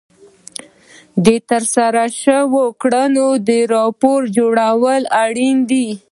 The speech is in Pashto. د ترسره شوو کړنو راپور جوړول اړین دي.